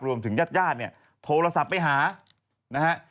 รวมถึงญาติโทรศัพท์ไปหานะฮะ